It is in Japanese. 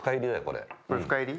これ深煎り？